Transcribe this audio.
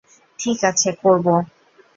ঠিক আছে, করবো।